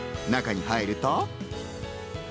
中に入ると。